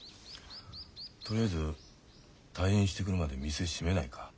とりあえず退院してくるまで店閉めないか？